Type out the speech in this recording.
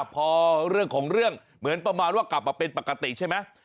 พอเรื่องของเรื่องเหมือนประมาณว่ากลับมาเป็นปกติใช่ไหม